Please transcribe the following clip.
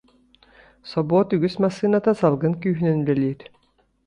Собуот үгүс массыыната салгын күүһүнэн үлэлиир